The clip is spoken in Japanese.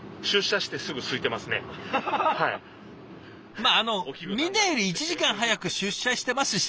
まああのみんなより１時間早く出社してますしね！